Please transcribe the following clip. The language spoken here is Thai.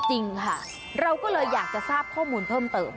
จริงค่ะเราก็เลยอยากจะทราบข้อมูลเพิ่มเติม